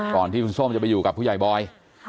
ก่อนที่คุณส้มจะไปอยู่กับผู้ใหญ่บอย